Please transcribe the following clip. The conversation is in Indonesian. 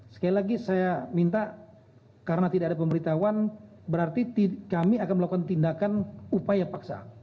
sekali lagi saya minta karena tidak ada pemberitahuan berarti kami akan melakukan tindakan upaya paksa